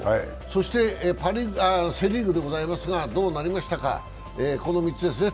そしてセ・リーグでございますが、どうなりましたか、この３つですね。